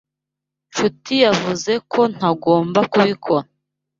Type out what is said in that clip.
Nshuti yavuze ko ntagomba kubikora.